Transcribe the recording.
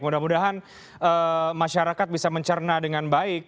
mudah mudahan masyarakat bisa mencerna dengan baik